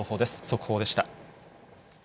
速報でした。